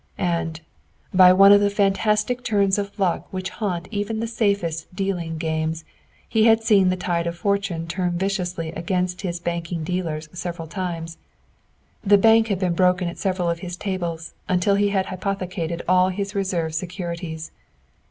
And, by one of the fantastic turns of luck which haunt even the safest "dealing" games, he had seen the tide of Fortune turn viciously against his banking dealers several times. The "bank" had been broken at several of his tables until he had hypothecated all his reserve securities.